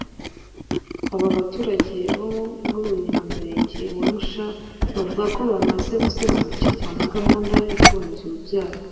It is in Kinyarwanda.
Aba baturage bo muri uyu Murenge wa Musha bavuga ko bamaze gusobanukirwa na gahunda yo kuboneza urubyaro